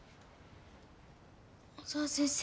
小沢先生。